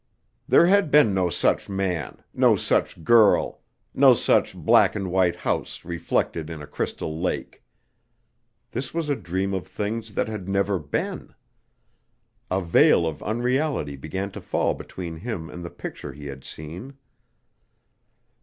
There had been no such man, no such girl, no such black and white house reflected in a crystal lake. This was a dream of things that had never been. A veil of unreality began to fall between him and the picture he had seen.